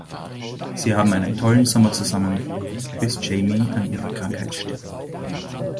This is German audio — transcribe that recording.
Sie haben einen tollen Sommer zusammen, bis Jamie an ihrer Krankheit stirbt.